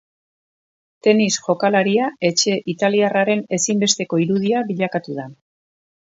Tenis jokalaria etxe italiarraren ezinbesteko irudia bilakatu da.